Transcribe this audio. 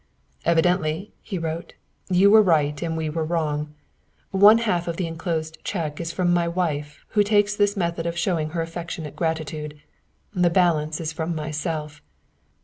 "Evidently," he wrote, "you were right and we were wrong. One half of the inclosed check is from my wife, who takes this method of showing her affectionate gratitude. The balance is from myself.